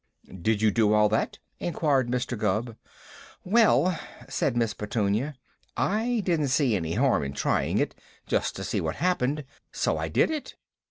'" "Did you do all that?" inquired Mr. Gubb. "Well," said Miss Petunia, "I didn't see any harm in trying it, just to see what happened, so I did it."